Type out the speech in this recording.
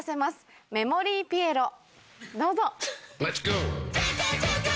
どうぞ。